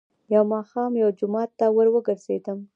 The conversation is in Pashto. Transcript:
. يو ماښام يوه جومات ته ور وګرځېدم،